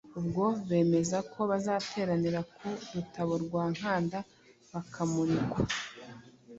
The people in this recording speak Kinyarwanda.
Ubwo bemeza ko bazateranira ku Rutabo rwa Nkanda bakamurikwa,